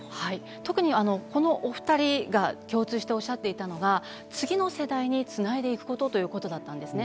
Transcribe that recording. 特にこのお２人が共通して、おっしゃっていたのが、次の世代につなげていくことだったんですね。